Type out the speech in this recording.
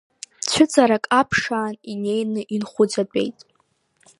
Цәыҵарак аԥшаан, инеины инхәыҵатәеит.